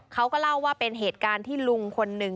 เขาก็เล่าว่าเป็นเหตุการณ์ที่ลุงคนหนึ่ง